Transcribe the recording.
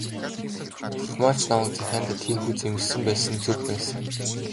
Ах маань ч намайг захиандаа тийнхүү зэмлэсэн байсан нь зөв байсан юм.